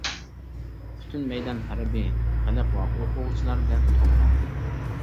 پۈتۈن مەيدان ھەربىي، خەلق ۋە ئوقۇغۇچىلار بىلەن تولغانىدى.